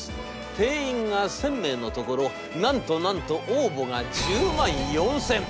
定員が１，０００名のところなんとなんと応募が１０万４，０００。